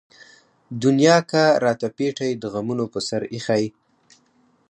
دنيا کۀ راته پېټے د غمونو پۀ سر اېښے